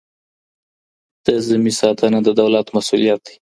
د ذمي ساتنه د دولت مسؤلیت دی.